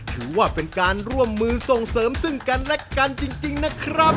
ถือว่าเป็นการร่วมมือส่งเสริมซึ่งกันและกันจริงนะครับ